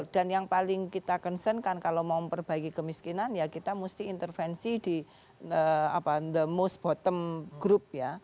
dan yang paling kita concern kan kalau mau memperbaiki kemiskinan ya kita mesti intervensi di the most bottom group ya